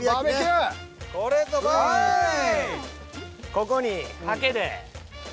ここにハケで。